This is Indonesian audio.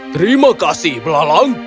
terima kasih belalang